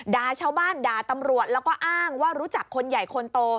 ด่าชาวบ้านด่าตำรวจแล้วก็อ้างว่ารู้จักคนใหญ่คนโต